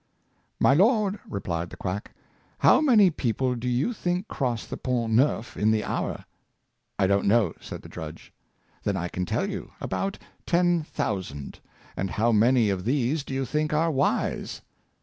" My lord," replied the quack, " how many people do you think cross the Pont Neuf in the hour?" " I don't know," said the judge. '' Then I can tell you — about ten thousand; and how many of these do you think are wise?"